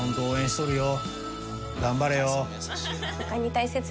頑張れよ。